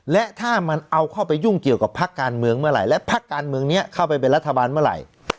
และถ้ามันเอาเข้าไปยุ่งเกี่ยวกับพักการเมืองเมื่อไหร่และพักการเมืองนี้เข้าไปเป็นรัฐบาลเมื่อไหร่